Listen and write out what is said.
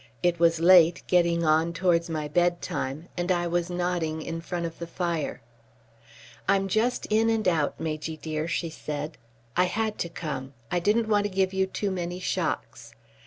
It was late, getting on towards my bedtime, and I was nodding in front of the fire. "I'm just in and out, Majy dear," she said. "I had to come. I didn't want to give you too many shocks."